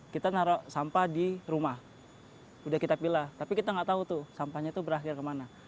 kita naruh sampah di rumah udah kita pilih tapi kita nggak tahu tuh sampahnya itu berakhir kemana